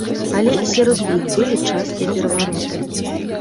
Але і сярод іх былі частыя перавароты.